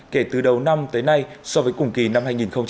kể từ đầu năm tới nay so với cùng kỳ năm hai nghìn hai mươi một